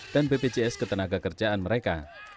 dan bpjs ketenaga kerjaan mereka